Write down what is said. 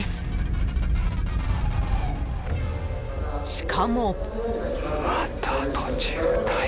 ［しかも］